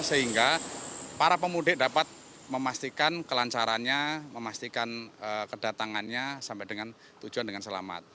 sehingga para pemudik dapat memastikan kelancarannya memastikan kedatangannya sampai dengan tujuan dengan selamat